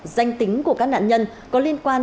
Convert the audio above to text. danh tính của các nạn nhân có liên quan